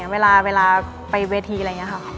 เวลาไปเวทีอะไรอย่างนี้ค่ะ